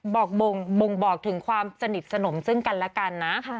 บ่งบอกถึงความสนิทสนมซึ่งกันแล้วกันนะ